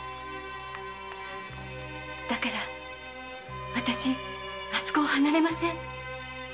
だから私あそこを離れません。